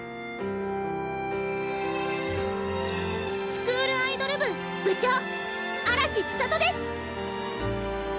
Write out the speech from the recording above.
スクールアイドル部部長嵐千砂都です！